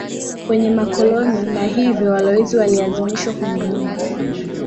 kwenye makoloni na hivyo walowezi walilazimishwa kununua